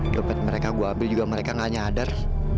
dompet mereka gue ambil juga mereka gak nyadar